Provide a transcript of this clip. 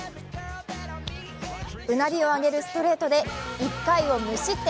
うなりを上げるストレートで１回を無失点。